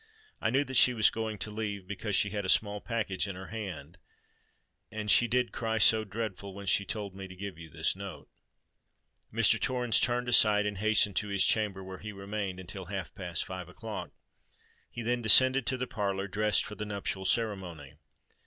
I knew that she was going to leave, because she had a small package in her hand; and she did cry so dreadful when she told me to give you this note." Mr. Torrens turned aside, and hastened to his chamber, where he remained until half past five o'clock. He then descended to the parlour, dressed for the nuptial ceremony.